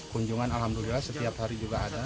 kunjungan alhamdulillah setiap hari juga ada